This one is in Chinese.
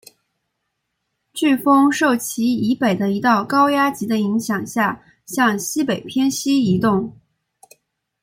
飓风受其以北的一道高压脊的影响下向西北偏西移动。